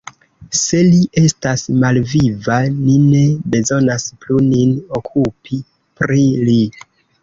Se li estas malviva, ni ne bezonas plu nin okupi pri li.